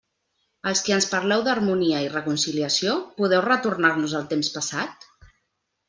Els qui ens parleu d'harmonia i reconciliació, ¿podeu retornar-nos el temps passat?